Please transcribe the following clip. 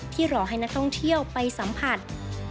รอให้นักท่องเที่ยวไปสัมผัส